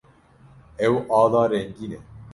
Ew ala rengîn e.